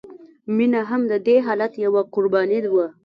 مینه هم د دې حالت یوه قرباني وه